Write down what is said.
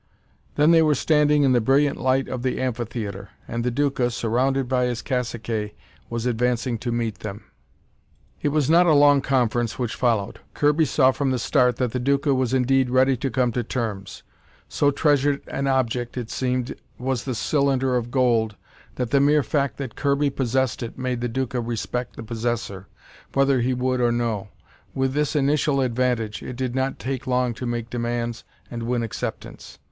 Then they were standing in the brilliant light of the amphitheatre, and the Duca, surrounded by his caciques, was advancing to meet them. It was not a long conference which followed. Kirby saw from the start that the Duca was indeed ready to come to terms. So treasured an object, it seemed, was the cylinder of gold, that the mere fact that Kirby possessed it made the Duca respect the possessor, whether he would or no. With this initial advantage, it did not take long to make demands and win acceptance.